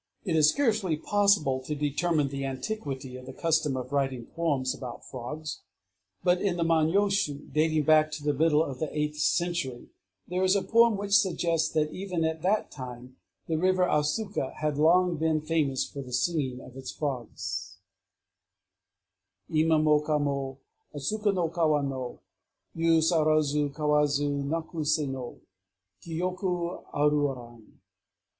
It is scarcely possible to determine the antiquity of the custom of writing poems about frogs; but in the Manyōshū, dating back to the middle of the eighth century, there is a poem which suggests that even at that time the river Asuka had long been famous for the singing of its frogs: Ima mo ka mo Asuka no kawa no Yū sarazu Kawazu naku sé no Kiyoku aruran.